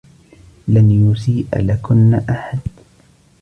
لن يسيء لكن أحد.